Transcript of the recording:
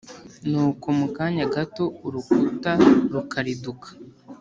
nuko mu kanya gato, urukuta rukariduka.